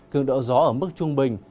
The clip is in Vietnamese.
cường độ gió ở mức trung bình